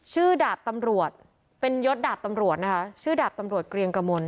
ดาบตำรวจเป็นยศดาบตำรวจนะคะชื่อดาบตำรวจเกรียงกระมน